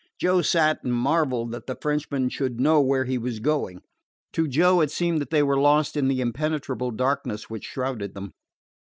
Joe sat and marveled that the Frenchman should know where he was going. To Joe it seemed that they were lost in the impenetrable darkness which shrouded them.